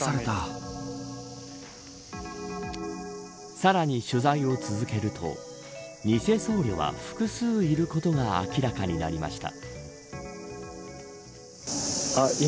さらに、取材を続けると偽僧侶は複数いることが明らかになりました。